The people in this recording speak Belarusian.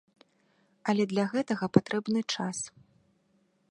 Але для гэтага патрэбны час.